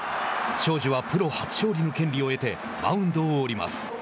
荘司はプロ初勝利の権利を得てマウンドを降ります。